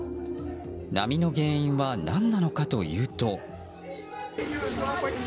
波の原因は何なのかというと。